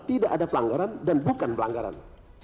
tidak ada pelanggaran dan bukan pelanggaran